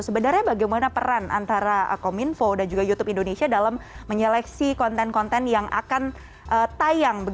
sebenarnya bagaimana peran antara kominfo dan juga youtube indonesia dalam menyeleksi konten konten yang akan tayang